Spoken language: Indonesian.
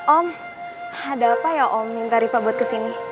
om ada apa ya om minta riva buat kesini